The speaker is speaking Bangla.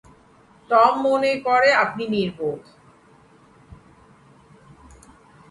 টম মনে করে আপনি নির্বোধ।